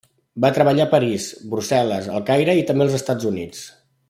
Va treballar a París, Brussel·les, El Caire i també als Estats Units.